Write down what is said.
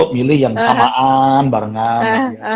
milih yang samaan barengan